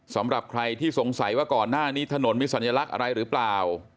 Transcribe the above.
สำหรับใครที่สงสัยว่าก่อนหน้านี้ถนนมีสัญลักษณ์อะไรหรือเปล่า